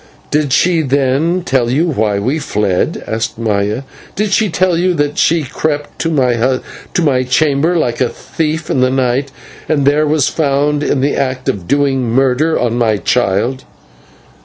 "Did she, then, tell you why we fled?" asked Maya. "Did she tell you that she crept to my chamber like a thief in the night, and there was found in the act of doing murder on my child?"